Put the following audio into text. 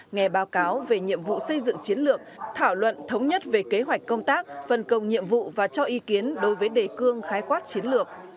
nghe báo cáo về nhiệm vụ xây dựng chiến lược thảo luận thống nhất về kế hoạch công tác phân công nhiệm vụ và cho ý kiến đối với đề cương khái quát chiến lược